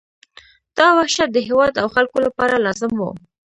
دا وحشت د هېواد او خلکو لپاره لازم وو.